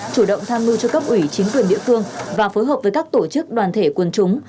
chủ động tham mưu cho cấp ủy chính quyền địa phương và phối hợp với các tổ chức đoàn thể quân chúng